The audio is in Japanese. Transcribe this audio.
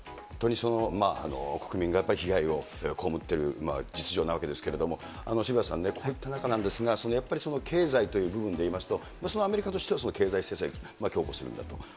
本当に国民がやっぱり被害を被っている実情なわけですけれども、渋谷さんね、こういった中なんですが、やっぱり経済という部分でいいますと、アメリカとしては経済制裁を強固するんだと。